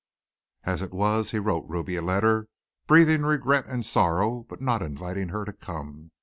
As it was, he wrote Ruby a letter breathing regret and sorrow but not inviting her to come.